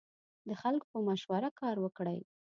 د خلکو په مشوره کار وکړئ.